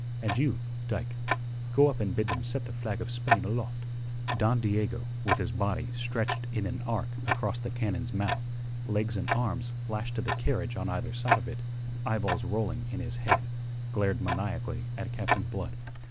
And you, Dyke, go up and bid them set the flag of Spain aloft." Don Diego, with his body stretched in an arc across the cannon's mouth, legs and arms lashed to the carriage on either side of it, eyeballs rolling in his head, glared maniacally at Captain Blood.